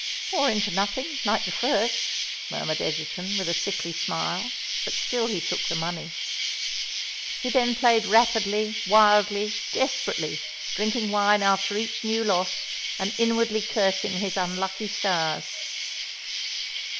"Or into nothing—like the first," murmured Egerton, with a sickly smile: but still he took the money. He then played rapidly—wildly—desperately,—drinking wine after each new loss, and inwardly cursing his unlucky stars.